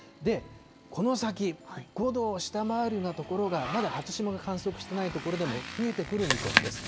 この先、５度を下回るような所がまだ初霜が観測していない所でも、増えてくる見込みです。